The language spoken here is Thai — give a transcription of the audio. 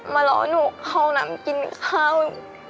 มารอหนูเข้าน้ำกินข้าว